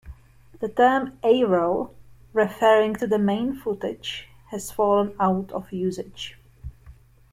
The term "A-roll" referring to the main footage has fallen out of usage.